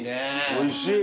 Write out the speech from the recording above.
おいしい。